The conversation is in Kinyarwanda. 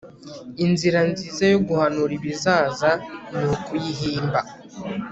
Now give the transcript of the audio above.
inzira nziza yo guhanura ibizaza ni ukuyihimba